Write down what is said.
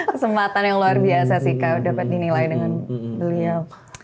kesempatan yang luar biasa sih kak dapat dinilai dengan beliau